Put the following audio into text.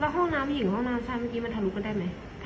ห้องน้ำหญิงห้องน้ำใช่เมื่อกี้มันทะลุกันได้ไหม